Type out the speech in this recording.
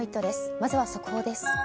まずは速報です。